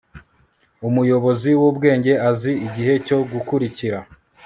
Umuyobozi wubwenge azi igihe cyo gukurikira